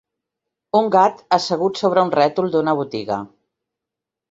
Un gat assegut sobre un rètol d'una botiga.